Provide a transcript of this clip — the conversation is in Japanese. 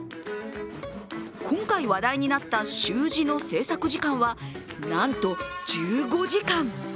今回、話題になった習字の制作時間は、なんと１５時間。